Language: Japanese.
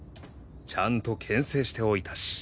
ちゃんと牽制しておいたし。